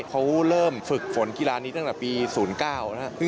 เขาเริ่มฝึกฝนกีฬานี้ตั้งแต่ปี๐๙นะครับ